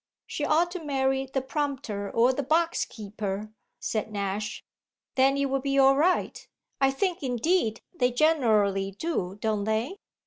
"She ought to marry the prompter or the box keeper," said Nash. "Then it would be all right. I think indeed they generally do, don't they?"